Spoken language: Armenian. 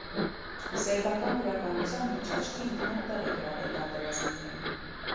Սերբական գրականության մեջ աչքի ընկնող տեղ է գրավել պատերազմի թեման։